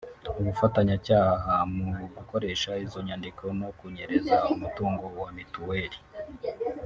ubufatanyacyaha mu gukoresha izo inyandiko no kunyereza umutungo wa mituweli